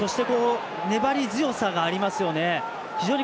粘り強さがありますよね。